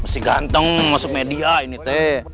si ganteng masuk media ini teh